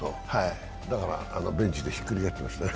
だからベンチでひっくり返っていますね。